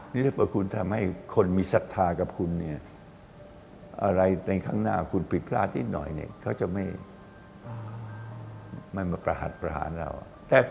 นี่ถ้าเกิดคุณทำให้คนมีศรัทธากับคุณเนี่ยอะไรในข้างหน้าคุณผิดพลาดนิดหน่อยเนี่ยเขาจะไม่มาประหัสประหารเรา